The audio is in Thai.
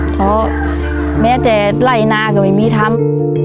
เพราะแม้จะไหลนาก็ไม่มีทำ